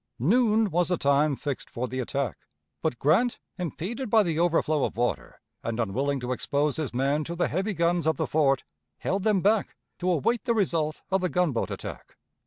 Noon was the time fixed for the attack; but Grant, impeded by the overflow of water, and unwilling to expose his men to the heavy guns of the fort, held them back to await the result of the gunboat attack.